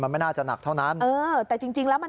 มันไม่น่าจะหนักเท่านั้นเออแต่จริงจริงแล้วมัน